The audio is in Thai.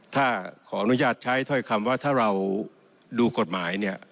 ถ้าขออนุญาตใช้ถ้อยคำว่าถ้าเราดูกฎหมายเนี่ย